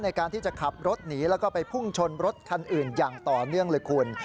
ในการที่จะขับรถหนีแล้วก็ไปพุ่งชนรถคันอื่นอย่างต่อเนื่องเลยคุณ